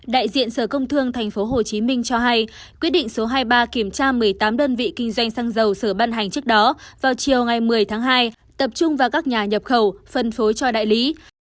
đại diện sở công thương tp hcm cho hay quyết định số hai mươi ba kiểm tra một mươi tám đơn vị kinh doanh xăng dầu sở ban hành trước đó vào chiều ngày một mươi tháng hai tập trung vào các nhà nhập khẩu phân phối cho đại lý